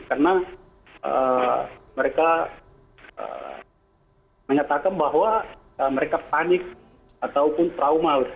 karena mereka menyatakan bahwa mereka panik ataupun trauma